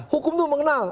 hukum tuh mengenal